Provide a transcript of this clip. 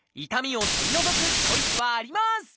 痛みを取り除くチョイスはあります！